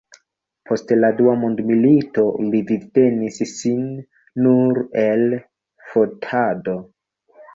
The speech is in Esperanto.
Post la dua mondmilito li vivtenis sin nur el fotado.